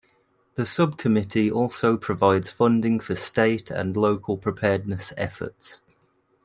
The subcommittee also provides funding for state and local preparedness efforts.